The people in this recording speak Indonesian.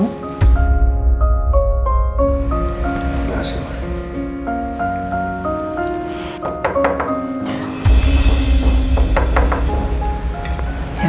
terima kasih mama